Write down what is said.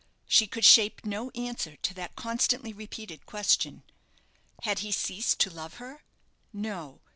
She could shape no answer to that constantly repeated question. Had he ceased to love her? No!